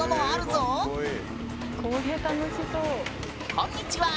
こんにちは！